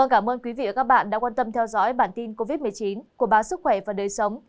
cảm ơn quý vị đã quan tâm theo dõi bản tin covid một mươi chín của bác sức khỏe và đời sống